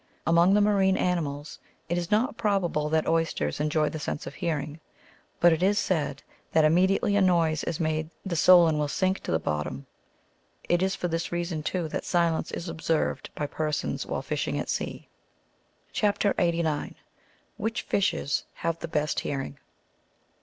Among the marine animals, it is not probable that oysters enjoy the sense of hearing, but it is said that immediately a noise is made the solen ^ will sink to the bottom ; it is for this reason, too, that silence is observed by persons while fishing at sea. CHAF. 89. (70.) WHICH FISHES HAVE THE BEST HEARIXG.